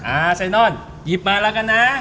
อาไซนอนหยิบมาแล้วกันนะ